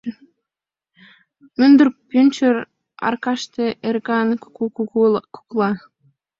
Мӱндыр пӱнчер аркаште Эрыкан куку кукукла.